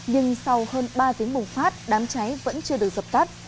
nhưng sau hơn ba tiếng bùng phát đám cháy vẫn chưa được dập tắt